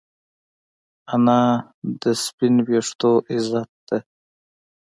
انا د سپین ویښتو عزت ده